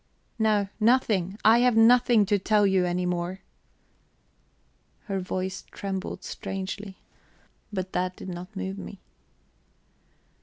No, nothing I have nothing to tell you any more..." Her voice trembled strangely, but that did not move me.